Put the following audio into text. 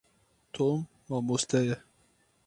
Tom mamoste ye.